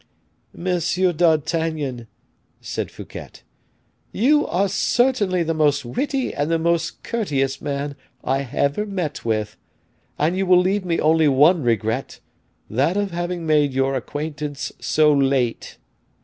"Monsieur d'Artagnan," said Fouquet, "you are certainly the most witty and the most courteous man I ever met with; and you will leave me only one regret, that of having made your acquaintance so late."